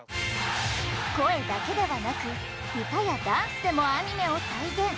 声だけではなく歌やダンスでもアニメを再現。